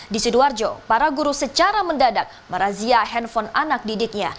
di sidoarjo para guru secara mendadak merazia handphone anak didiknya